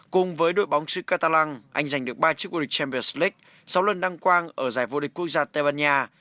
cùng với đội bóng sứ catalan anh giành được ba chiếc vô địch champions league sáu lần đăng quang ở giải vô địch quốc gia tây ban nha